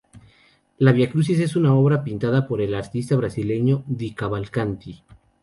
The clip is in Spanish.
La vía crucis es una obra pintada por el artista brasileño Di Cavalcanti.